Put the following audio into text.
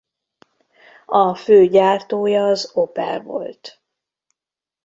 A fő gyártója az Opel volt.